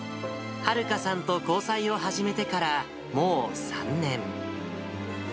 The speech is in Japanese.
はるかさんと交際を始めてからもう３年。